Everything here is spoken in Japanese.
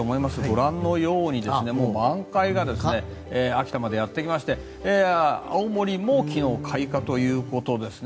ご覧のように満開が秋田までやってきまして青森も昨日、開花ということですね。